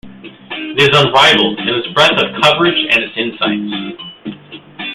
It is unrivaled in its breadth of coverage and its insight.